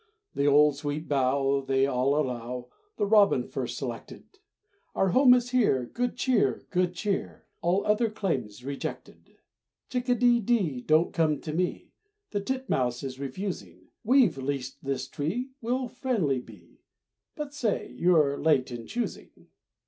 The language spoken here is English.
The old sweet bough, They all allow, The robin first selected. "Our home is here, Good cheer, good cheer, All other claims rejected." "Chick a dee dee, Don't come to me!" The titmouse is refusing, "We've leased this tree, We'll friendly be, But say you're late in choosing."